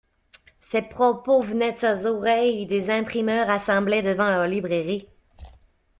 Ces propos venaient aux oreilles des imprimeurs assemblés devant la librairie.